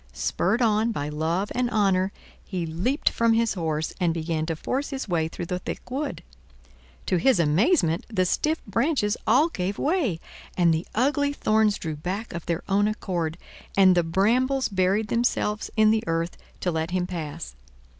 Spurred on by love and honor, he leaped from his horse and began to force his way through the thick wood. To his amazement the stiff branches all gave way, and the ugly thorns drew back of their own accord, and the brambles buried themselves in the earth to let him pass.